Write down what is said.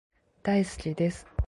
大好きです